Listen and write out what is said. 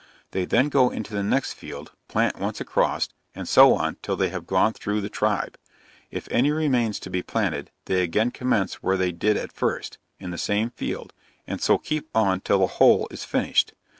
They then go into the next field, plant once across, and so on till they have gone through the tribe. If any remains to be planted, they again commence where they did at first, (in the same field,) and so keep on till the whole is finished.